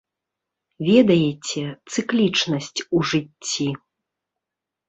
Ведаеце, цыклічнасць у жыцці?